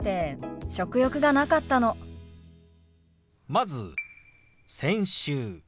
まず「先週」。